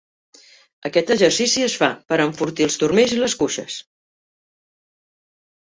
Aquest exercici es fa per enfortir els turmells i les cuixes.